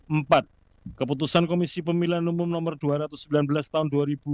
empat keputusan komisi pemilihan umum nomor dua ratus sembilan belas tahun dua ribu dua puluh